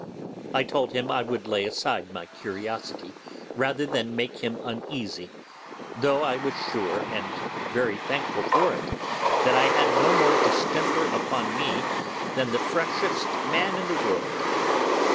I told him I would lay aside my curiosity rather than make him uneasy, though I was sure, and very thankful for it, that I had no more distemper upon me than the freshest man in the world.